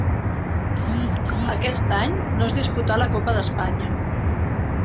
Aquest any no es disputà la Copa d'Espanya.